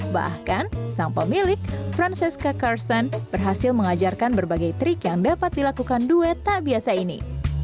bahkan sang pemilik francesca karson berhasil mengajarkan berbagai trik yang dapat dilakukan duet tak biasa ini